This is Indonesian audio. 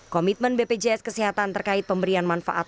komitmen bpjs kesehatan terkait pemberian manfaat